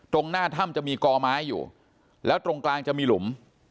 หน้าถ้ำจะมีกอไม้อยู่แล้วตรงกลางจะมีหลุม